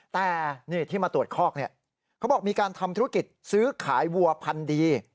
แต่นี่ที่มาตรวจคอกเนี่ยเขาบอกมีการทำธุรกิจซื้อขายวัวพันธุ์ดี